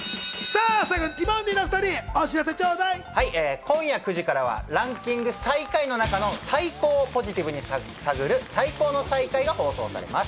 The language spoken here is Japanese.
ティモンディのお２人、お知らせち今夜９時からはランキング最下位の中の最高をポジティブに探る『最高の最下位』が放送されます。